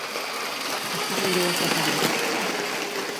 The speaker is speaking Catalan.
Estar en dies de parir.